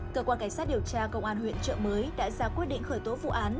cơ quan cảnh sát điều tra công an huyện trợ mới đã ra quyết định khởi tố vụ án